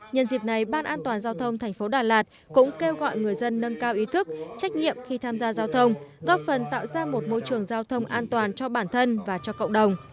nhân dịp này ban an toàn giao thông thành phố đà lạt cũng kêu gọi người dân nâng cao ý thức trách nhiệm khi tham gia giao thông góp phần tạo ra một môi trường giao thông an toàn cho bản thân và cho cộng đồng